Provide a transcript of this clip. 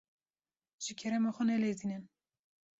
Ji kerema xwe nelezînin.